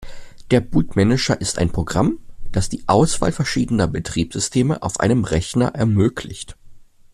Der Bootmanager ist ein Programm, das die Auswahl verschiedener Betriebssysteme auf einem Rechner ermöglicht.